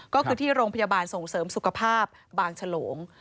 ก็คือที่โรงพยาบาลส่งเสริมสุขภาพบางฉลง